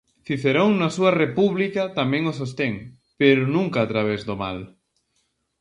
Cicerón na súa República tamén o sostén, pero nunca a través do mal.